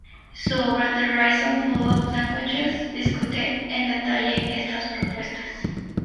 Su obra "The Rise and Fall of Languages" discute en detalle esas propuestas.